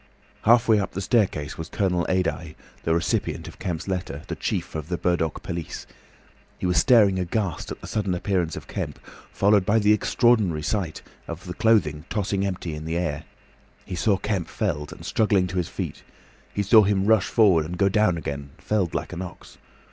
Halfway up the staircase was Colonel Adye, the recipient of Kemp's letter, the chief of the Burdock police. He was staring aghast at the sudden appearance of Kemp, followed by the extraordinary sight of clothing tossing empty in the air. He saw Kemp felled, and struggling to his feet. He saw him rush forward, and go down again, felled like an ox.